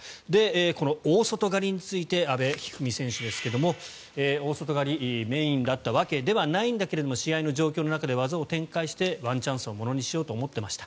この大外刈りについて阿部一二三選手ですが大外刈り、メインだったわけではないんだけど試合の状況の中で技を展開してワンチャンスをものにしようと思ってました。